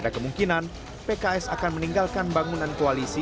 ada kemungkinan pks akan meninggalkan bangunan koalisi